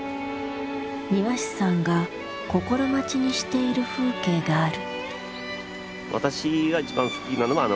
庭師さんが心待ちにしている風景がある。